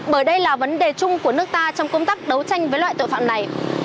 bởi đây là vấn đề chung của nước ta trong công tác đấu tranh với loại tội phạm này